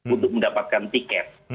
untuk mendapatkan tiket